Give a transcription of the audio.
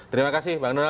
terima kasih bang nurnal